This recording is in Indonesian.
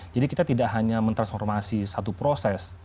jadi kita tidak hanya mentransformasi satu proses